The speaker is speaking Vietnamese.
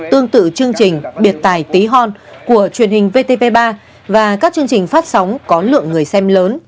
tương tự chương trình biệt tài tí hon của truyền hình vtv ba và các chương trình phát sóng có lượng người xem lớn